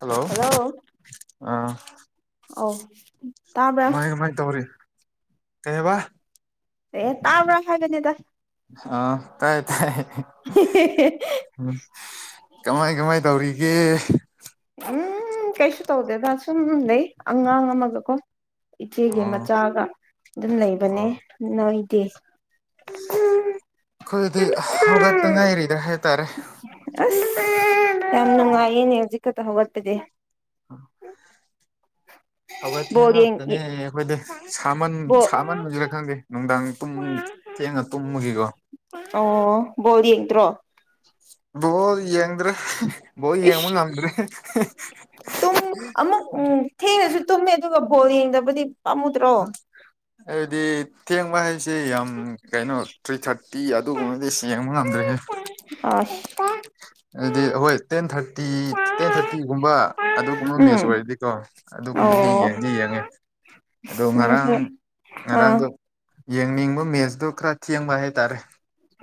hello ꯑ ꯑꯧ ꯇꯥꯕ꯭ꯔꯥ ꯀꯃꯥꯏ ꯀꯃꯥꯏ ꯇꯧꯔꯤ ꯀꯩꯕ ꯑꯦ ꯇꯕ꯭ꯔ ꯍꯥꯏꯕꯅꯦꯗ ꯑ ꯇꯥꯏ ꯇꯥꯏ [unintelligible] ꯀꯃꯥꯏ ꯀꯃꯥꯏ ꯇꯧꯔꯤꯒꯦ ꯎꯝ ꯀꯩꯁꯨ ꯇꯧꯗꯦꯗ ꯁꯨꯝ ꯂꯩ ꯑꯉꯥꯡ ꯑꯃꯒꯀꯣ ꯏꯆꯦꯒꯤ ꯑꯣ ꯃꯆꯥꯒ ꯑꯗꯨꯝ ꯑꯣ ꯂꯩꯕꯅꯦ ꯅꯣꯏꯗꯤ ꯑꯩꯈꯣꯏꯗꯤ ꯍꯧꯒꯠꯇ ꯉꯥꯏꯔꯤꯗ꯭ꯔꯥ ꯍꯥꯏꯇꯥꯔꯦ [unintelligible] ꯌꯥꯝ ꯅꯨꯡꯉꯥꯏꯌꯦꯅꯦ ꯍꯧꯖꯤꯛ ꯈꯛꯇ ꯍꯧꯒꯠꯄꯗꯤ [inaudible] ꯍꯧꯒ ꯕꯣꯜ ꯌꯦꯡ ꯊꯦꯡꯂꯛꯇꯅꯦ ꯑꯩꯈꯣꯏꯗꯤꯃꯟ ꯕꯣꯜ ꯁꯥꯃꯟ ꯑꯣꯏꯁꯤꯔ ꯈꯪꯗꯦ ꯅꯨꯡꯗꯥꯡ ꯇꯨꯝ ꯊꯦꯡꯉ ꯇꯨꯝꯃꯒꯤꯒ ꯑꯣ ꯕꯣꯜ ꯌꯦꯡꯗ꯭ꯔꯣ [unintelligible] ꯌꯦ꯭ꯔ ꯕꯣꯜ ꯌꯦꯡꯕ ꯏꯁ ꯉꯝꯗ꯭ꯔꯦ ꯇꯨꯝ ꯑꯃꯨꯛ ꯎꯝ ꯊꯦꯡꯅꯁꯨ ꯇꯨꯝꯃꯦ ꯑꯗꯨꯒ ꯕꯣꯜ ꯌꯦꯡꯗꯕꯗꯤ ꯄꯥꯝꯃꯨꯗ꯭ꯔꯣ ꯍꯥꯏꯕꯗꯤ ꯊꯦꯡꯕ ꯍꯥꯏꯁꯤ ꯌꯥꯝ ꯀꯩꯅꯣ ꯊ꯭ꯔꯤ ꯊꯥꯔꯇꯤ ꯑꯗꯨꯒꯨꯝꯕꯗꯤ ꯌꯦꯡꯕ ꯉꯝꯗ꯭ꯔꯦꯍꯦ ꯑꯁ [unintelligible] ꯑꯗꯨꯗꯤ ꯑꯩꯈꯣꯏ ꯇꯦꯟ ꯊꯥꯔꯇꯤ ꯇꯦꯟ ꯊꯥꯔꯇꯤꯒꯨꯝꯕ ꯑꯗꯨꯒꯨꯝꯕ ꯃꯦꯆ ꯎꯝ ꯑꯣꯏꯔꯗꯤꯀꯣ ꯑꯗꯨꯒꯨꯝꯕ ꯑꯃꯗꯤ ꯑꯣ ꯌꯦꯡꯗꯤ ꯌꯦꯡꯉꯦ ꯑꯗꯣ ꯁꯤꯅꯁꯨ ꯉꯔꯥꯡ ꯑꯥ ꯉꯔꯥꯡꯗꯣ ꯌꯦꯡꯅꯤꯡꯕ ꯃꯦꯠꯁꯇꯣ ꯈꯔ ꯊꯦꯡꯕ ꯍꯥꯏꯇꯥꯔꯦ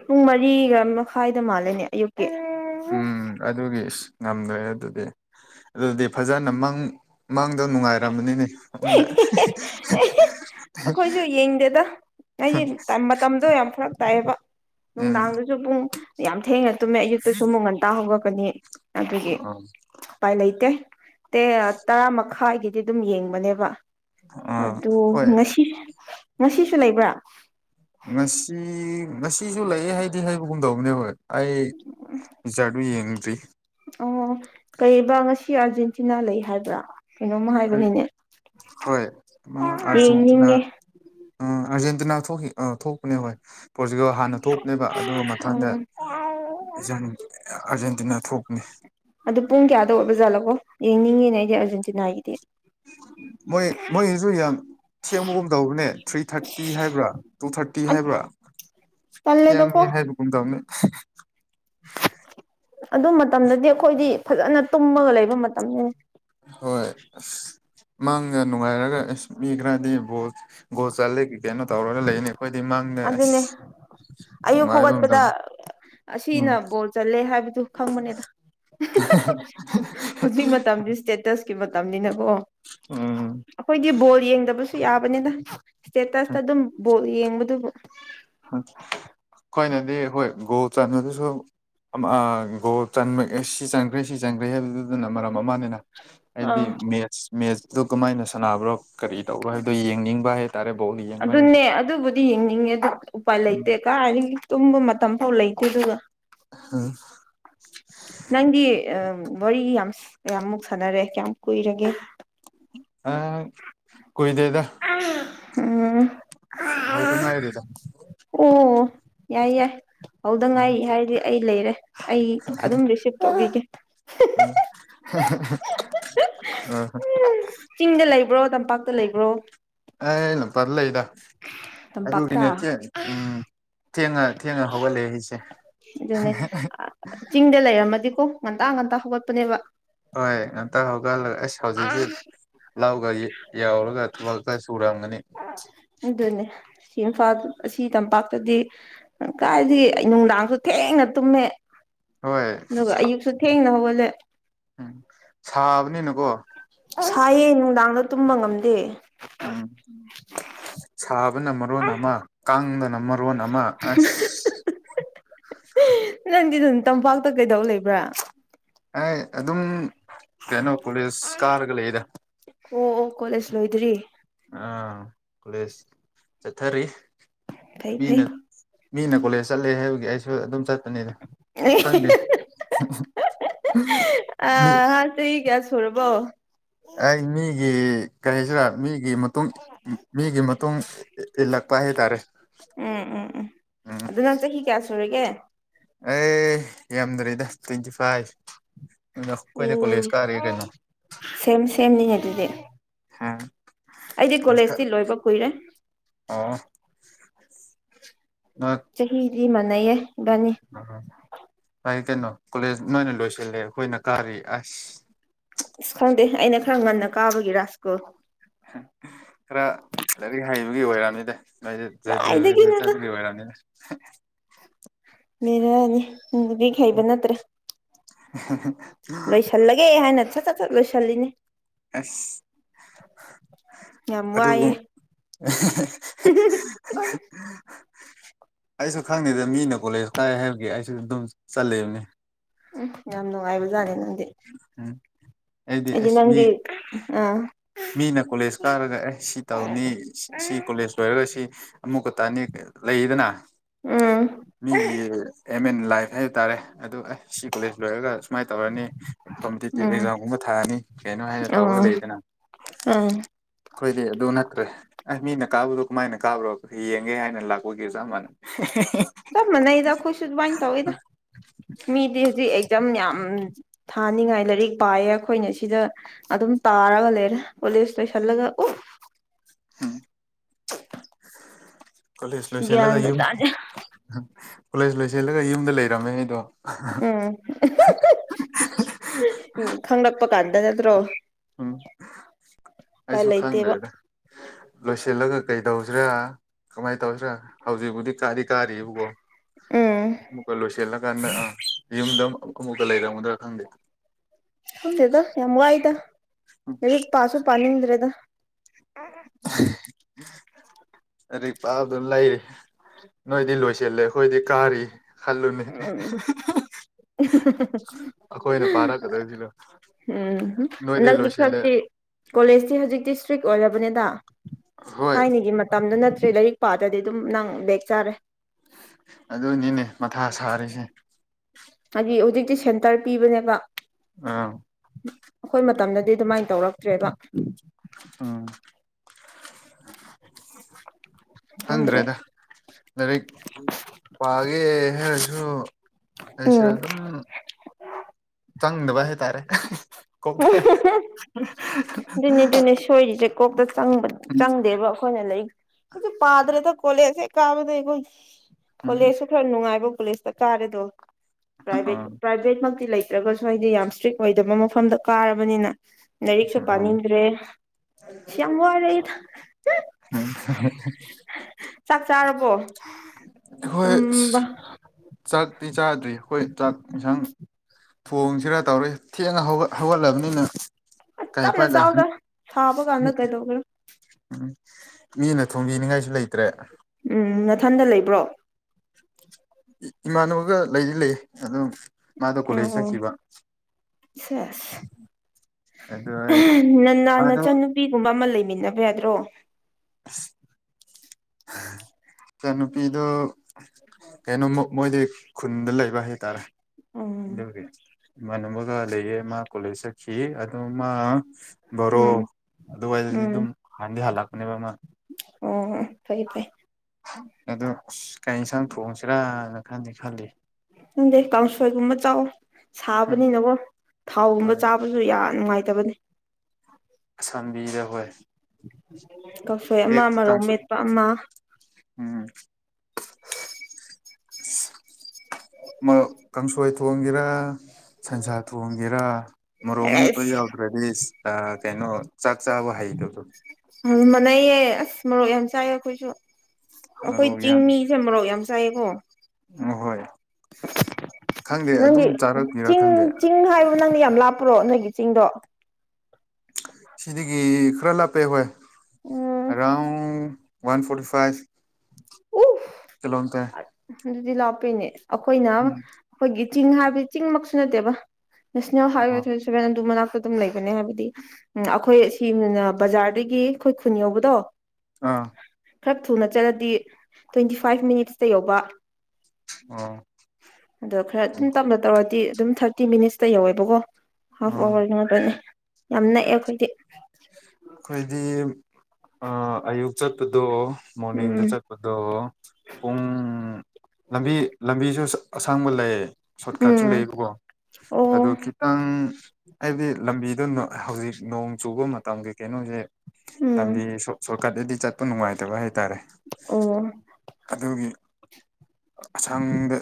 ꯄꯨꯡ ꯃꯔꯤꯒ ꯃꯈꯥꯏꯗ ꯃꯥꯜꯂꯅꯦ ꯑꯌꯨꯛ ꯎꯝ ꯑꯗꯨꯒꯤ ꯉꯝꯗꯣꯏꯦ ꯑꯗꯨꯗꯤ ꯑꯗꯨꯗꯤ ꯐꯖꯅ ꯃꯪ ꯃꯪꯗꯣ ꯅꯨꯡꯉꯥꯏꯔꯝꯕꯅꯤꯅꯦ ꯎꯗ ꯑꯩꯈꯣꯏꯁꯨ ꯌꯦꯡꯗꯦꯗ ꯑꯩꯒꯤ ꯃꯇꯝꯗꯣ ꯌꯥꯝ ꯐꯔꯛ ꯇꯥꯏꯌꯦꯕ ꯎꯝ ꯅꯨꯡꯗꯥꯡꯗꯁꯨ ꯄꯨꯡ ꯌꯥꯝ ꯊꯦꯡꯅ ꯇꯨꯝꯃꯦ ꯑꯌꯨꯛꯇꯁꯨ ꯃꯨꯛ ꯉꯟꯇꯥ ꯍꯧꯒꯠꯀꯅꯤ ꯑꯗꯨꯒꯤ ꯎꯄꯥꯏ ꯂꯩꯇꯦ ꯇ ꯇꯔꯥ ꯃꯈꯥꯏꯒꯤꯗꯤ ꯑꯗꯨꯝ ꯌꯦꯡꯕꯅꯦꯕ ꯑꯥ ꯑꯗꯨ ꯍꯣꯏ ꯉꯁꯤ ꯉꯁꯤꯁꯨ ꯂꯩꯕ꯭ꯔꯥ ꯉꯁꯤ ꯉꯁꯤꯁꯨ ꯂꯩꯑꯦ ꯍꯥꯏꯗꯤ ꯍꯥꯏꯕꯒꯨꯝꯗꯧꯕꯅꯦ ꯍꯣꯏ ꯑꯩ ꯄꯤꯆꯔꯗꯨ ꯌꯦꯡꯗ꯭ꯔꯤ ꯑꯣ ꯀꯩꯕꯥ ꯉꯁꯤ ꯁꯤ ꯑꯥꯔꯖꯦꯟꯇꯤꯅꯥ ꯂꯩ ꯍꯥꯏꯕ꯭ꯔꯥ ꯀꯩꯅꯣꯝꯃ ꯍꯥꯏꯕꯅꯤꯅꯦ ꯍꯣꯏ ꯌꯦꯡꯅꯤꯡꯉꯦ ꯑ ꯑꯥꯔꯖꯦꯟꯇꯤꯅꯥ ꯊꯣꯛꯈꯤ ꯑ ꯊꯣꯛꯄꯅꯦ ꯍꯣꯏ ꯄꯣꯠꯁꯤꯀꯣ ꯍꯥꯟꯅ ꯊꯣꯛꯅꯦꯕ ꯑꯗꯨ ꯃꯊꯪꯗ ꯑꯥ ꯑꯥꯔꯖꯦꯟꯇꯤꯅꯥ ꯊꯣꯛꯄꯅꯤ ꯑꯗꯨ ꯄꯨꯡ ꯀꯌꯥꯗ ꯑꯣꯏꯕ ꯖꯥꯠꯂꯀꯣ ꯌꯦꯡꯅꯤꯡꯉꯦꯅꯦ ꯑꯩꯗꯤ ꯑꯔꯖꯦꯟꯇꯤꯅꯥꯒꯤꯗꯤ ꯃꯣꯏ ꯃꯣꯏ ꯍꯖꯨ ꯍꯌꯥꯡ ꯁꯦꯡꯕꯒꯨꯝ ꯇꯧꯕꯅꯦ ꯊ꯭ꯔꯤ ꯊꯥꯔꯇꯤ ꯍꯥꯏꯕ꯭ꯔꯥ ꯇꯨ ꯊꯥꯔꯇꯤ ꯍꯥꯏꯕ꯭ꯔꯥ ꯇꯜꯂꯦꯗꯀꯣ ꯍꯅꯤ ꯍꯥꯏꯕꯒꯨꯝ ꯇꯧꯅꯤ ꯑꯗꯨ ꯃꯇꯝꯗꯗꯤ ꯑꯩꯈꯣꯏꯗꯤ ꯐꯖꯅ ꯇꯨꯝꯃꯒ ꯂꯩꯕ ꯃꯇꯝꯅꯤꯅꯦ ꯃꯪꯅ ꯅꯨꯡꯉꯥꯏꯔꯒ ꯑꯦꯁ ꯃꯤ ꯈꯔꯗꯤ ꯕꯣꯜ ꯒꯣꯜ ꯆꯠꯂꯦ ꯀ꯭ꯔꯤꯀꯦꯩꯅꯣ ꯇꯧꯔꯒ ꯂꯩꯅꯦ ꯑꯩꯈꯣꯏꯗꯩ ꯃꯥꯡꯅ ꯑꯗꯨꯅꯦ ꯑꯁ ꯑꯌꯨꯛ ꯅꯨꯡꯉꯥꯏꯕ ꯍꯧꯒꯠꯄꯗ ꯃꯇꯝꯅꯤ ꯑꯁꯤꯅ ꯎꯝ ꯕꯣꯜ ꯆꯜꯂꯦ ꯍꯥꯏꯕꯗꯨ ꯈꯪꯕꯅꯦꯗ ꯍꯧꯖꯤꯛ ꯃꯇꯝꯗꯤ ꯏꯁꯇꯦꯇꯁꯀꯤ ꯃꯇꯝꯅꯤꯅ ꯑꯣ ꯎꯝ ꯑꯩꯈꯣꯏꯒꯤ ꯕꯣꯜ ꯌꯦꯡꯗꯕꯁꯨ ꯌꯥꯕꯅꯤꯅ ꯏꯁꯇꯦꯇꯁꯇ ꯑꯗꯨꯝ ꯌꯦꯡꯕꯗꯨ ꯑꯩꯈꯣꯏꯅꯗꯤ ꯍꯣꯏ ꯒꯣ ꯆꯟꯕꯗꯨꯁꯨ ꯒꯣ ꯁꯤ ꯆꯪꯈ꯭ꯔꯦ ꯁꯤ ꯆꯪꯈ꯭ꯔꯦ ꯍꯥꯏꯕꯗꯨꯗꯨꯅ ꯃꯔꯝ ꯑꯃꯅꯤꯅ ꯍꯥꯏꯕꯗꯤ ꯑꯥ ꯃꯦꯠꯁ ꯃꯦꯠꯁꯇꯨ ꯀꯃꯥꯏꯅ ꯁꯥꯟꯅꯕ꯭ꯔꯣ ꯀꯔꯤ ꯇꯧꯔꯣ ꯍꯥꯏꯕꯗꯣ ꯌꯦꯡꯅꯤꯡꯕ ꯍꯥꯏꯇꯥꯔꯦ ꯕꯣꯜ ꯌꯦꯡꯕ ꯍꯥꯏꯁꯦ ꯑꯗꯨꯅꯦ ꯑꯗꯨꯕꯨꯗꯤ ꯌꯦꯡꯅꯤꯡꯉꯦ ꯑꯗꯨ ꯎꯄꯥꯏ ꯂꯩꯇꯦ ꯎꯝ ꯀꯥꯏꯔꯤ ꯇꯨꯝꯕ ꯃꯇꯝ ꯐꯥꯎ ꯂꯩꯀꯣ ꯑꯗꯨꯒ ꯎꯝ ꯅꯪꯒꯤꯤ ꯑꯝ ꯋꯥꯔꯤ ꯌꯥꯝ ꯀꯌꯥꯝꯃꯨꯛ ꯁꯥꯟꯅꯔꯦ ꯀꯌꯥꯝ ꯀꯨꯏꯔꯒꯦ ꯑ ꯀꯣꯏꯗꯗ ꯎꯝ ꯍ ꯇ ꯉꯥꯏꯗꯦꯗ ꯑꯣ ꯌꯥꯏ ꯌꯥꯏ ꯍꯧꯗ ꯎꯝ ꯉꯥꯏ ꯍꯥꯏꯔꯗꯤ ꯑꯩ ꯂꯩꯔꯦ ꯑꯩ ꯑꯗꯨꯝ ꯔꯤꯁꯤꯞ ꯇꯧꯕꯤꯒꯦ ꯎꯝ ꯑ ꯆꯤꯡꯗ ꯂꯩꯕ꯭ꯔꯣ ꯇꯝꯄꯥꯛꯇ ꯂꯩꯕ꯭ꯔꯣ ꯑꯩ ꯑꯩꯅ ꯄ ꯂꯩꯗ ꯇꯝꯄꯥꯛꯇ ꯑꯗꯨꯒꯤꯅꯦꯠꯇꯦ ꯎꯝ ꯊꯦꯡꯉ ꯊꯦꯡꯉ ꯍꯧꯒꯠꯂꯦ ꯑꯩꯁꯦ ꯑꯗꯨꯅꯦ ꯆꯤꯡꯗ ꯂꯩꯔꯝꯃꯗꯤꯀꯣ ꯉꯟꯇꯥ ꯉꯟꯇꯥ ꯍꯧꯒꯠꯄꯅꯦꯕ ꯍꯣꯏ ꯉꯠꯇ ꯍ ꯜꯂ ꯑꯁ ꯍꯧꯖꯤꯛꯁꯤꯦ ꯂꯥꯎꯒ ꯌꯥꯎꯔꯒ ꯊꯕꯛꯀ ꯁꯨꯔꯝꯒꯅꯤ ꯑꯗꯨꯅꯦ ꯁꯤ ꯏꯝꯐꯥꯜ ꯑꯁꯤ ꯇꯝꯄꯥꯛꯇꯗꯤ ꯀꯥꯏꯗꯤ ꯑꯩ ꯅꯨꯡꯗꯥꯡꯁꯨ ꯊꯦꯡ ꯊꯦꯡꯅ ꯇꯨꯝꯃꯦ ꯍꯣꯏ ꯑꯗꯨꯒ ꯑꯌꯨꯛꯁꯨ ꯊꯦꯡꯅ ꯍꯧꯒꯜꯂꯦ ꯎꯝ ꯁꯥꯕꯅꯤꯅꯀꯣ ꯁꯥꯏꯌꯦ ꯅꯨꯡꯗꯥꯡꯗ ꯇꯨꯝꯕ ꯉꯝꯗꯦ ꯎꯝ ꯁꯥꯕꯅ ꯃꯔꯣꯟ ꯑꯃ ꯀꯥꯡꯗꯅ ꯃꯔ ꯔ꯭ꯔꯣ ꯑꯃ ꯑꯁ ꯅꯪꯗꯤ ꯑꯗꯨꯝ ꯇꯝꯄꯥꯛꯇ ꯀꯩꯗꯧ ꯂꯩꯕ꯭ꯔꯥ ꯑꯩ ꯑꯗꯨꯝ ꯀꯩꯅꯩꯅꯣ ꯀꯂꯤꯁ ꯀꯥꯔꯒ ꯂꯩꯗ ꯑꯣ ꯑꯣ ꯀꯣꯂꯦꯖ ꯂꯣꯏꯗ꯭ꯔꯤ ꯑ ꯀꯂꯁ ꯆꯠꯊꯔꯤ ꯊꯩ ꯐꯩ ꯃꯤꯅ ꯃꯤꯅ ꯀꯣꯂꯦꯖ ꯆꯠꯂꯦ ꯍꯥꯏꯕꯒꯤ ꯑꯩꯁꯨ ꯑꯗꯨꯝ ꯆꯠ ꯐꯅꯤꯗ ꯈꯪꯗꯦ ꯊꯣꯔꯕꯣ ꯑꯩ ꯃꯤꯒꯤ ꯀꯔꯤ ꯍꯥꯏꯁꯤꯔꯥ ꯃꯤꯒꯤ ꯃꯇꯨꯡ ꯃꯤꯒꯤ ꯃꯇꯨꯡ ꯏꯜꯂꯛ ꯄ ꯍꯥꯏꯇꯔꯦ ꯎꯝ ꯎꯝ ꯎꯝ ꯑꯗꯨ ꯅꯪ ꯆꯍꯤ ꯍ ꯀꯌꯥꯁꯨꯨꯔꯦ ꯑꯦ ꯌꯥꯝꯗ꯭ꯔꯦꯗ ꯇ꯭ꯋꯦꯟꯇꯤ ꯐꯥꯏꯚ ꯑꯣ ꯑꯩꯈꯣꯏꯗꯤ ꯀꯣꯂꯦꯖ ꯀꯥꯔꯤ ꯀꯩꯅꯣ ꯁꯦꯝ ꯁꯦꯝ ꯅꯅꯦ ꯑꯗꯨꯗꯦ ꯍꯥ ꯑꯩꯗꯤ ꯀꯣꯂꯦꯖꯇꯤ ꯂꯣꯏꯕ ꯀꯨꯏꯔꯦ ꯑꯥ ꯆꯍꯤꯗꯤ ꯃꯥꯟꯅꯩꯌꯦ ꯏꯕꯥꯅꯤ ꯎꯝ ꯑꯩ ꯀꯩꯅꯣ ꯀꯣꯂꯦꯖ ꯅꯣꯏꯅ ꯂꯣꯏꯁꯤꯜꯂꯦ ꯑꯩꯈꯣꯏꯅ ꯀꯥꯔꯤ ꯑꯁ ꯑꯁ ꯈꯪꯗꯦ ꯑꯩꯅ ꯈꯔ ꯉꯟꯅ ꯀꯥꯕꯒꯤꯔ ꯏꯁꯀ꯭ꯨꯜ ꯈꯔ ꯂꯥꯏꯔꯤꯛ ꯍꯩꯕꯒꯤ ꯑꯣꯏꯔꯅꯤꯗ ꯃꯖꯖ ꯀꯥꯏꯗꯒꯤꯅꯣꯗ ꯆꯠꯒꯦ ꯋꯥꯔꯅꯤ ꯃꯔꯅꯤ ꯅꯨꯄꯤ ꯍꯩꯕ ꯅꯠꯇ꯭ꯔꯦ ꯍꯥꯍꯥ ꯍꯥꯍꯥꯍꯥ ꯂꯣꯏꯁꯜꯂꯒꯦ ꯍꯥꯏꯅ ꯁꯠ ꯁꯠ ꯁꯠ ꯂꯣꯏꯁꯤꯜꯂꯤꯅꯦ ꯑꯁ ꯌꯥꯝ ꯑꯗꯨꯕꯨ ꯋꯥꯏꯌꯦ ꯑꯩꯁꯨ ꯈꯪꯗꯦꯗ ꯃꯤꯅ ꯀꯣꯂꯦꯖ ꯀꯥꯏ ꯍꯥꯏꯕꯒꯤ ꯑꯩꯁꯨ ꯑꯗꯨꯝ ꯆꯠꯂꯕꯅꯤ ꯎꯝ ꯌꯥꯝ ꯅꯨꯡꯉꯥꯏꯕꯖꯥꯠꯅꯤ ꯅꯪ ꯎꯝ ꯑꯩꯗꯤ ꯑꯁ ꯃꯤ ꯅꯪꯗꯤ ꯑꯥ ꯃꯤꯅ ꯀꯣꯂꯦꯖ ꯀꯥꯔꯒ ꯑꯦ ꯁꯤ ꯇꯧꯅꯤ ꯁꯤ ꯀꯣꯂꯦꯖ ꯂꯣꯏꯔꯒ ꯁꯤ ꯑꯃꯨꯛꯀꯇ ꯑꯅꯤꯔꯛꯇꯤ ꯂꯩꯗꯅ ꯎꯝ ꯃꯤꯒꯤ ꯑꯦꯝ ꯏꯟ ꯂꯥꯏꯐ ꯍꯥꯏꯕꯇꯥꯔꯦ ꯑꯗꯨ ꯑꯩꯁ ꯁꯤ ꯀꯣꯂꯦꯖ ꯂꯣꯏꯔꯒ ꯁꯨꯃꯥꯏꯅ ꯇꯧꯔꯅꯤ ꯀꯝꯄꯤꯇꯤꯇꯤꯞ ꯎꯝ ꯑꯦꯛꯖꯥꯝꯒꯨꯝꯕ ꯊꯥꯔꯅꯤ ꯀꯩꯅꯣ ꯍꯥꯏꯅ ꯇꯧꯔꯅꯤ ꯑꯥ ꯂꯩꯗꯅ ꯑꯥ ꯑꯩꯈꯣꯏꯗꯤ ꯑꯗꯨ ꯑꯗꯨ ꯅꯠꯇ꯭ꯔꯦ ꯑꯩ ꯃꯤꯅ ꯀꯥꯕꯗꯣ ꯀꯃꯥꯏꯅ ꯀꯥꯕ꯭ꯔꯣ ꯌꯦꯡꯒꯦ ꯍꯥꯏꯅ ꯂꯥꯛꯄꯒꯤ ꯆꯞ ꯃꯥꯟꯅꯩ ꯆꯞ ꯃꯥꯟꯅꯩꯗ ꯑꯩꯈꯣꯏꯁꯨ ꯑꯗꯨꯃꯥꯏꯅ ꯇꯧꯋꯤꯗ ꯃꯤꯗꯤ ꯍꯧꯖꯤꯛ ꯑꯦꯛꯖꯝ ꯌꯥꯝ ꯊꯥꯅꯤꯡꯉꯥꯏ ꯂꯥꯏꯔꯤꯛ ꯄꯥꯏꯌꯦ ꯑꯩꯈꯣꯏꯅ ꯁꯤꯗ ꯑꯗꯨꯝ ꯇꯥꯔꯒ ꯂꯩꯔꯦ ꯀꯂꯦꯖ ꯂꯣꯏꯁꯜꯂꯒ ꯎ [inaudible] ꯎꯝ ꯀꯣꯂꯦꯖ ꯂꯣꯏꯁꯤꯜꯂꯒ ꯒ꯭ꯌꯥꯟꯒ ꯌꯨꯝ ꯇꯥꯗꯦ ꯀꯣꯂꯦꯖ ꯂꯣꯏꯁꯤꯜꯂꯒ ꯌꯨꯝꯗ ꯂꯩꯔꯝꯃꯦ ꯍꯥꯏꯗꯣ ꯎꯝ ꯈꯪꯂꯛꯄ ꯀꯥꯟꯗ ꯅꯠꯇ꯭ꯔꯣ ꯎꯝ ꯎꯄꯥꯏ ꯑꯩꯁꯨ ꯂꯩꯇꯦꯕ ꯈꯪꯗ꯭ꯔꯦꯗ ꯂꯣꯏꯁꯤꯜꯂꯒ ꯀꯩꯗꯧꯁꯤꯔꯥ ꯀꯃꯥꯏꯅ ꯇꯧꯁꯤꯔꯥ ꯍꯧꯖꯤꯛꯕꯨꯗꯤ ꯀꯥꯗꯤ ꯀꯥꯔꯤꯕꯀꯣ ꯎꯝ ꯑꯃꯨꯛꯀ ꯂꯣꯏꯁꯤꯜꯂꯒ ꯀꯥꯟꯗ ꯑ ꯌꯨꯝꯗ ꯑꯃꯨꯛ ꯑꯃꯨꯛꯀ ꯂꯩꯔꯝꯒꯗ꯭ꯔꯥ ꯈꯪꯗꯦ ꯈꯪꯗꯦꯗ ꯌꯥꯝ ꯋꯥꯏꯗ ꯂꯥꯏꯔꯤꯛ ꯄꯥꯁꯨ ꯄꯥꯅꯤꯡꯗ꯭ꯔꯦꯗ [unintelligible] ꯂꯥꯏꯔꯤꯛ ꯄꯥꯕꯗꯨꯝ ꯂꯥꯏꯔꯤ ꯅꯣꯏꯗꯤ ꯂꯣꯏꯁꯤꯜꯂꯦ ꯑꯩꯈꯣꯏꯗꯤ ꯀꯥꯔꯤ ꯈꯜꯂꯨꯅꯦ ꯎꯝ ꯑꯩꯈꯣꯏꯅ ꯄꯥꯔꯛꯀꯗꯣꯏꯁꯤꯅ ꯎꯝ ꯍꯟꯗꯛꯇꯤ ꯈꯔꯁꯤ ꯀꯣꯂꯦꯖꯇꯤ ꯍꯧꯖꯤꯛꯇꯤ ꯏꯁꯇ꯭ꯔꯤꯛ ꯑꯣꯏꯔꯕꯅꯦꯗ ꯍꯣꯏ ꯊꯥꯏꯅꯒꯤ ꯃꯇꯝꯗꯨ ꯅꯠꯇꯔꯦ ꯂꯥꯏꯔꯤꯛ ꯄꯥꯗꯗꯤ ꯑꯗꯨꯝ ꯅꯪ ꯕꯦꯛ ꯆꯥꯔꯦ ꯑꯗꯨꯅꯤꯅꯦ ꯃꯊꯥ ꯁꯥꯔꯤꯁꯦ ꯍꯥꯏꯗꯤ ꯍꯧꯖꯤꯛꯇꯤ ꯁꯦꯟꯇꯔ ꯄꯤꯕꯅꯦꯕ ꯑꯥ ꯑꯩꯈꯣꯏ ꯃꯇꯝꯗꯗꯤ ꯑꯗꯨꯃꯥꯏꯅ ꯇꯧꯔꯛꯇ꯭ꯔꯦꯕ ꯑꯥ ꯈꯪꯗ꯭ꯔꯦ ꯈꯪꯗ꯭ꯔꯦꯗ ꯂꯥꯏꯔꯤꯛ ꯄꯥꯒꯦ ꯑꯩꯁꯤ ꯎꯝ ꯑꯗꯨꯝ ꯆꯪꯗꯕ ꯍꯥꯏꯇꯥꯔꯦ ꯀꯣꯛꯇ ꯑꯗꯨꯅꯦ ꯑꯗꯨꯅꯦ ꯁꯣꯏꯔꯤꯁꯦ ꯀꯣꯛꯇ ꯆꯪꯕ ꯆꯪꯗꯦꯕ ꯑꯩꯈꯣꯏ ꯂꯥꯏꯔꯤꯛ ꯍꯧꯖꯤꯛ ꯄꯥꯗꯔꯦꯗ ꯀꯣꯂꯦꯖ ꯍꯦꯛ ꯀꯥꯕꯗꯩꯩ ꯑꯩꯈꯣꯏ ꯀꯣꯂꯦꯖꯁꯨ ꯈꯔ ꯅꯨꯡꯉꯥꯏꯕ ꯀꯣꯂꯦꯖꯇ ꯀꯥꯔꯦꯗꯣ ꯄ꯭ꯔꯥꯏꯚꯦꯠ ꯄ꯭ꯔꯥꯏꯚꯦꯠ ꯃꯛꯇꯤ ꯂꯩꯇ꯭ꯔꯒꯁꯨ ꯍꯥꯏꯗꯤ ꯌꯥꯝ ꯏꯁꯇ꯭ꯔꯤꯛ ꯑꯣꯏꯗꯕ ꯃꯐꯝꯗ ꯀꯥꯔꯕꯅꯤꯅ ꯂꯔꯤꯛꯁꯨ ꯄꯥꯅꯤꯡꯗ꯭ꯔꯦ ꯌꯥꯝ ꯋꯥꯔꯦ ꯑꯩꯗ ꯑ ꯆꯥꯛ ꯆꯥꯔꯕꯣ ꯑꯩꯈꯣꯏ ꯇꯨꯝꯕ ꯆꯥꯛꯇꯤ ꯆꯥꯗ꯭ꯔꯤ ꯑꯩꯈꯣꯏ ꯆꯥꯛ ꯌꯦꯟꯁꯥꯡ ꯊꯣꯡꯁꯤꯔ ꯇꯧꯔ ꯊꯦꯡꯅ ꯍꯧꯒꯠꯂꯕꯅꯤꯅ ꯀꯥꯏ ꯇꯞꯅ ꯄꯥꯏꯂ ꯆꯥꯎꯗ ꯁꯥꯕ ꯀꯥꯟꯗ ꯀꯩꯗꯧꯒꯦꯔꯣ ꯎꯝ ꯃꯤꯅ ꯊꯣꯡꯕꯤꯅꯤꯡꯉꯥꯏꯁꯨ ꯂꯩꯇ꯭ꯔꯦ ꯎꯝ ꯃꯊꯟꯗ ꯂꯩꯕ꯭ꯔꯣ ꯏꯃꯥꯟꯅꯕꯒ ꯂꯩꯗꯤ ꯂꯩ ꯑꯗꯨ ꯃꯥꯗꯣ ꯀꯣꯂꯦꯖ ꯆꯠꯈꯤꯕ ꯁꯁ ꯑꯗꯨ ꯑꯩ ꯅꯟꯅ ꯃꯥꯗꯣ ꯅꯆꯟꯅꯨꯄꯤꯒꯨꯝꯕ ꯑꯃ ꯂꯩꯕ ꯃꯤꯟꯅꯕ ꯌꯥꯗ꯭ꯔꯣ [inaudible] ꯑ ꯏꯆꯟꯅꯨꯄꯤꯗꯨꯣ ꯀꯩꯅꯣ ꯃꯣꯏꯗꯤ ꯈꯨꯟꯗ ꯂꯩꯕ ꯍꯥꯏꯇꯥꯔꯦ ꯎꯝ ꯑꯗꯨꯒꯤ ꯏꯃꯅ ꯑꯃꯒ ꯂꯩꯌꯦ ꯃꯥ ꯀꯣꯂꯦꯖ ꯆꯠꯈꯤ ꯑꯗꯣ ꯃꯥ ꯕꯣꯔꯣ ꯎꯝ ꯑꯗꯨꯋꯥꯏꯗꯗꯤ ꯎꯝ ꯑꯗꯨꯝ ꯍꯥꯟꯅꯗꯤ ꯍꯜꯂꯛꯄꯅꯦꯕ ꯑꯃ ꯑꯣ ꯐꯩ ꯐꯩ ꯑꯗꯣ ꯑꯁ ꯀꯩ ꯌꯦꯟꯁꯥꯡ ꯊꯣꯡꯁꯤꯔꯥꯅ ꯈꯟꯗꯤ ꯈꯜꯂꯤ ꯅꯪꯗꯦ ꯀꯥꯡꯁꯣꯏꯒꯨꯝꯕ ꯆꯥꯎ ꯁꯥꯕꯅꯤꯅꯀꯣ ꯊꯥꯎꯒꯨꯝꯕ ꯆꯥꯕꯁꯨ ꯌꯥꯝ ꯅꯨꯡꯉꯥꯏꯇꯕꯅꯦ ꯑꯁꯝꯕꯤꯗ ꯍꯣꯏ ꯎꯝ ꯍ ꯀꯁꯨ ꯎꯝ [inaudible] ꯀꯥꯡꯁꯣꯏ ꯊꯣꯡꯒꯦꯔꯥ ꯁꯟꯁꯥ ꯊꯣꯡꯒꯦꯔꯥ ꯃꯣꯔꯣꯛ ꯃꯦꯄ ꯑꯦꯁ ꯌꯥꯎꯗ꯭ꯔꯗꯤ ꯀꯩꯅꯣ ꯆꯥꯛ ꯆꯥꯕ ꯍꯩꯗꯗꯣ ꯑꯗꯨ ꯃꯥꯟꯅꯩꯌꯦ ꯑꯁ ꯃꯔꯣꯛ ꯌꯥꯝ ꯆꯥꯏꯌꯦ ꯑꯩꯈꯣꯏꯁꯨ ꯑꯩꯈꯣꯏ ꯃꯔꯣꯛ ꯆꯤꯡ ꯌꯥꯝ ꯃꯤꯁꯦ ꯃꯔꯣꯛ ꯌꯥꯝ ꯆꯥꯏ ꯆꯥꯏꯒꯣ ꯍꯣꯏ ꯈꯪꯗꯦ ꯑꯗꯨꯝ ꯅꯪꯗꯤ ꯆꯥꯔꯛꯄꯤꯔꯥ ꯆꯤꯡ ꯈꯪꯗꯦ ꯆꯤꯡ ꯍꯥꯏꯕ ꯅꯪꯗꯤ ꯌꯥꯝ ꯂꯥꯞꯄꯨꯔꯣ ꯅꯣꯏꯒꯤ ꯆꯤꯡꯗꯣ ꯁꯤꯗꯒꯤ ꯈꯔ ꯂꯥꯞꯄꯦ ꯍꯈꯣꯏ ꯎꯝ ꯑꯔꯥꯎꯟ ꯋꯥꯟ ꯐꯣꯔꯇꯤ ꯐꯥꯏꯚ ꯎ ꯀꯤꯂꯣꯃꯤꯇꯔ ꯑꯗꯨꯗꯤ ꯂꯥꯛꯄꯩꯅꯦ ꯑꯩꯈꯣꯏꯅ ꯑꯩꯈꯣꯏꯒꯤ ꯆꯤꯡ ꯍꯥꯏꯕꯗꯤ ꯆꯤꯡꯃꯛꯁꯨ ꯅꯠꯇꯦꯕ ꯅꯁꯅꯦ ꯍꯥꯏ ꯑꯥ ꯑꯣꯏꯕ ꯅ ꯑꯗꯨꯗꯨꯃꯅꯥ ꯑꯗꯨꯝ ꯂꯩꯕꯅꯦ ꯍꯥꯏꯕꯗꯤ ꯎꯝ ꯑꯩꯈꯣꯏ ꯁꯤ ꯕꯖꯥꯔꯗꯒꯤ ꯑꯩꯈꯣꯏ ꯈꯨꯟ ꯌꯧꯕꯗꯣ ꯑꯥ ꯈꯔ ꯊꯨꯅ ꯆꯠꯂꯗꯤ ꯇ꯭ꯋꯦꯟꯇꯤ ꯐꯥꯏꯚ ꯃꯤꯅꯤꯠꯁꯇ ꯌꯧꯕ ꯑꯣ ꯑꯗꯣ ꯈꯔ ꯑꯗꯨꯝ ꯇꯞꯅ ꯇꯧꯔꯗꯤ ꯑꯗꯨꯝ ꯊꯥꯔꯇꯤ ꯃꯤꯅꯤꯠꯁꯇ ꯌꯧꯋꯦꯕꯀꯣ ꯑꯣ ꯍꯐꯣꯗꯅꯦ ꯌꯥꯝ ꯅꯛꯑꯦ ꯑꯩꯈꯣꯏꯗꯤ ꯍꯥꯏꯗꯤ ꯑꯌꯨꯛ ꯆꯠꯄꯗꯣ ꯃꯣꯔꯅꯤꯡꯗ ꯎꯝ ꯆꯠꯄꯗꯣ ꯄꯨꯡ ꯂꯝꯕꯤ ꯂꯝꯕꯤꯁꯨ ꯑꯁꯥꯡꯕ ꯂꯩꯌꯦ ꯁꯣꯔꯠꯀꯠꯁꯨ ꯎꯝ ꯂꯩꯌꯦꯕꯀꯣ ꯑꯣ ꯈꯤꯇꯪ ꯍꯥꯏꯕꯗꯤ ꯂꯝꯕꯤꯗ ꯍꯧꯖꯤꯛ ꯅꯣꯡ ꯆꯨꯕ ꯃꯇꯝꯒꯤ ꯀꯩꯅꯣꯁꯦ ꯎꯝ ꯂꯝꯕꯤ ꯀꯗꯗꯤ ꯆꯠꯄ ꯅꯨꯡꯉꯥꯏꯇꯕ ꯍꯥꯏꯇꯥꯔꯦ ꯑꯣ ꯑꯗꯨꯒꯤ ꯑꯁꯥꯡꯗ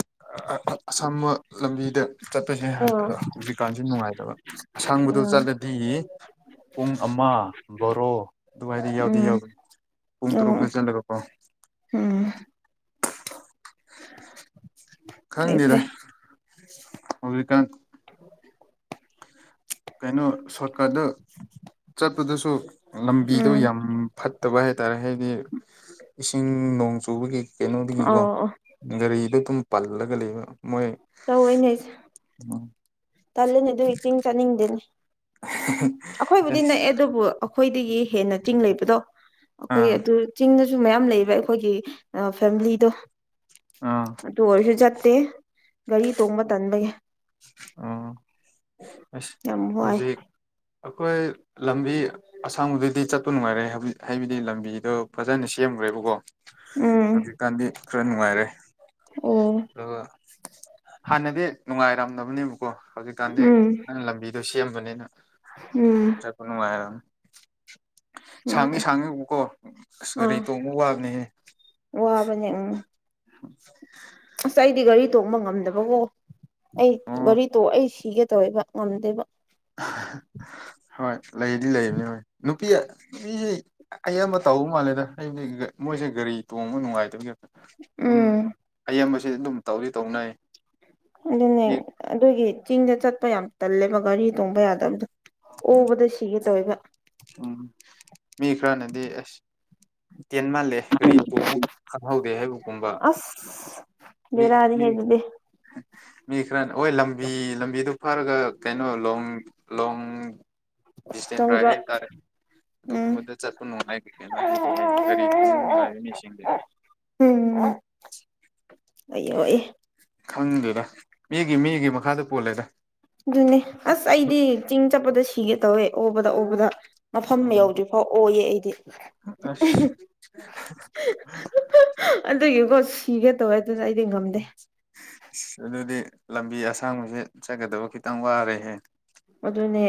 ꯑꯁꯥꯝꯕ ꯂꯝꯕꯤꯗ ꯆꯠꯄꯁꯦ ꯎꯝ ꯍꯧꯖꯤꯛꯀꯥꯟꯁꯦ ꯅꯨꯡꯉꯥꯏꯇꯕ ꯑꯁꯥꯡꯕꯗ ꯆꯂꯦꯗꯤ ꯄꯨꯡ ꯃꯥ ꯕꯣꯔꯣ ꯑꯗꯨꯃꯥꯏꯗꯤ ꯌꯥꯎꯗꯤ ꯎꯝ ꯌꯥꯎ ꯄꯨꯡ ꯑꯣ ꯇꯔꯨꯛ ꯆꯜꯂꯒꯀꯣ ꯎꯝ ꯐꯩ ꯈꯪꯅꯤꯔ ꯐꯩ ꯍꯧ ꯀ [unintelligible] ꯀꯩꯅꯣ ꯁꯣꯔꯠꯀꯠꯇ ꯆꯠꯄꯗꯁꯨ ꯂꯝꯕꯤꯗꯣ ꯎꯝ ꯌꯥꯝ ꯐ ꯐꯠꯇꯕ ꯍꯥꯏꯇꯥꯔꯦ ꯍꯥꯏꯗꯤ ꯏꯁꯤꯡ ꯅꯣꯡ ꯆꯨꯕꯒꯤ ꯀꯩꯅꯣꯗꯒꯤꯀꯣ ꯑꯣ ꯑꯣ ꯒꯥꯔꯤꯗꯣ ꯑꯗꯨꯝ ꯄꯜꯂꯒ ꯂꯩꯕ ꯃꯣꯏ ꯇꯂꯅꯦ ꯑꯗꯨ ꯏ ꯆꯁꯤꯡ ꯆꯥꯅꯤꯡꯗꯦꯅꯦ ꯑꯩꯈꯣꯏꯕꯨꯗꯤ ꯑꯁ ꯅꯛꯑꯦ ꯑꯗꯨꯕꯨ ꯑꯩꯈꯣꯏꯗꯒꯤ ꯍꯦꯟꯅ ꯆꯤꯡ ꯂꯩꯕꯗꯣ ꯑꯩꯈꯣꯏ ꯑꯥ ꯑꯗꯨ ꯆꯤꯡꯗꯁꯨ ꯃꯌꯥꯝ ꯂꯩꯕ ꯑꯩꯈꯣꯏꯒꯤ ꯐꯦꯃꯤꯂꯤꯗꯣ ꯑꯥ ꯑꯗꯨ ꯑꯣꯏꯔꯁꯨ ꯆꯠꯇꯦ ꯒꯥꯔꯤ ꯇꯣꯡꯕ ꯇꯟꯕꯒꯤ ꯑꯣ ꯑꯁ ꯌꯥꯝ ꯋꯥꯏ ꯍꯧꯖꯤꯛ ꯑꯩꯈꯣꯏ ꯂꯝꯕꯤ ꯑꯁꯥꯡꯕꯗꯗꯤ ꯆꯠꯄ ꯅꯨꯡꯉꯥꯏꯔꯦ ꯍꯥꯏꯕꯗꯤ ꯂꯝꯕꯤꯗꯣ ꯐꯖꯅ ꯁꯦꯝ ꯐꯪꯈ꯭ꯔꯦꯕꯀꯣ ꯎꯝ ꯍꯧꯖꯤꯛꯀꯥꯟꯗꯤ ꯈꯔ ꯅꯨꯡꯉꯥꯏꯔꯦ ꯑꯣ ꯑꯗꯨꯒ ꯍꯥꯟꯅꯗꯤ ꯅꯨꯡꯉꯥꯏꯔꯝꯅꯕꯅꯦꯕꯀꯣ ꯍꯧꯖꯤꯛꯀꯥꯟꯗꯤ ꯎꯝ ꯅꯪ ꯂꯝꯕꯤꯗꯣ ꯁꯦꯝꯕꯅꯤꯅ ꯎꯝ ꯆꯄꯅꯅꯨꯡ ꯍꯥꯏꯔ ꯎꯝ ꯁꯥꯡꯉ ꯁꯥꯡꯉꯀꯣ ꯑꯁ ꯒꯥꯔꯤ ꯑꯥ ꯇꯣꯡꯕ ꯋꯥꯕꯅꯦꯍꯦ ꯋꯥꯕꯅꯦ ꯎꯝ [inaudible] ꯑꯁ ꯑꯩꯗꯤ ꯒꯥꯔꯤ ꯇꯣꯛꯕ ꯉꯝꯗꯕꯀꯣ ꯑꯩ ꯑꯣ ꯒꯥꯔꯤ ꯇꯣꯛꯏꯁꯤ ꯊꯤꯒꯦ ꯇꯧꯋꯦꯕ ꯉꯝꯗꯦꯕ ꯍꯣꯏ ꯂꯩꯗꯤ ꯂꯩꯕꯅꯤ ꯍꯣꯏ ꯅꯨꯄꯤ ꯅꯨꯄꯤꯁꯦ ꯑꯌꯥꯝꯕ ꯇꯥꯎ ꯃꯥꯜꯂꯦꯗ ꯍꯥꯏꯕꯗꯤ ꯃꯣꯏꯁꯦ ꯒꯥꯔꯤ ꯇꯣꯡꯕ ꯅꯨꯡꯉꯥꯏꯇꯕꯒꯤ ꯑꯗꯨꯝ ꯎꯝ ꯑꯌꯥꯝꯕꯁꯦ ꯑꯗꯨꯝ ꯇꯧꯗꯤ ꯇꯧꯅꯩ ꯑꯗꯨꯅꯦ ꯃꯤ ꯑꯗꯨꯒꯤ ꯆꯤꯡꯗ ꯆꯠꯄ ꯌꯥꯝ ꯇꯜꯂꯦꯕ ꯒꯥꯔꯤ ꯇꯣꯡꯕ ꯌꯥꯗꯕꯗꯣ ꯑꯣꯕꯗ ꯁꯤꯒꯦ ꯇꯧꯋꯦꯕ ꯎꯝ ꯃꯤ ꯈꯔꯅꯗꯤ ꯑꯁ ꯇꯦꯟ ꯃꯥꯜꯂꯦ ꯔꯤꯇꯣ ꯑꯃꯨꯛ ꯈꯪꯍꯧꯗꯦ ꯍꯥꯏꯕꯒꯨꯝꯕ ꯃꯤ ꯂꯩꯦꯔꯗꯦ ꯃꯤ ꯍꯦꯒꯗꯦ ꯃꯤ ꯈꯔꯅꯤ ꯍꯣꯏ ꯂꯝꯕꯤ ꯂꯝꯕꯤꯗꯨ ꯐꯔꯒ ꯀꯩꯅꯣ ꯂꯣꯡ ꯂꯣꯡ ꯁꯇꯟ ꯂꯣꯡ ꯔ ꯗ꯭ꯔꯥꯏꯕ ꯍꯥꯏꯇꯥꯔꯦ ꯎꯝ ꯑꯗꯨꯒꯨꯝꯕꯗ ꯆꯠꯄ ꯅꯨꯡꯉꯥꯏ ꯀꯩꯅꯣ ꯍꯥꯏꯗꯤ ꯒꯥꯔꯤ ꯊꯅ ꯅꯨꯡꯉꯥꯏꯔ ꯃꯤꯁꯤꯡꯁꯦ ꯎꯝ ꯑꯩ ꯑꯣꯏ ꯈꯪꯗꯦꯗ ꯃꯤꯒꯤ ꯃꯤꯒꯤ ꯃꯈꯥꯗ ꯄꯣꯜꯂꯦꯗ ꯑꯗꯨꯅꯦ ꯑꯁ ꯑꯗꯨ ꯑꯩꯗꯤ ꯆꯤꯡ ꯆꯠꯄꯗ ꯁꯤꯒꯦ ꯇꯧꯋꯦ ꯑꯣꯕꯗ ꯑꯣꯕꯗ ꯃꯐꯝ ꯎꯝ ꯌꯧꯗ꯭ꯔꯤꯐꯥꯎ ꯑꯣꯌꯦ ꯑꯩ ꯑꯁ ꯑꯗꯨꯒꯤꯀꯣ ꯁꯤꯒꯦ ꯇꯧꯋ ꯑꯗꯨꯗꯤ ꯂꯝꯕꯤ ꯑꯁꯥꯡꯕꯁꯦ ꯆꯠꯀꯗꯕ ꯈꯤꯇꯪ ꯋꯥꯔꯦꯍꯦ ꯑꯗꯨꯅꯦ